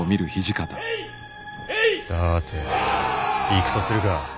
さぁて行くとするか。